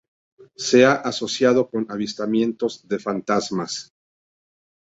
Se ha asociado con "avistamientos de fantasmas".